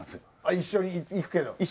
一緒に行くけど。